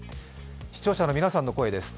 視聴者の皆さんの声です。